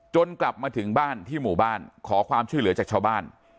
กลับมาถึงบ้านที่หมู่บ้านขอความช่วยเหลือจากชาวบ้าน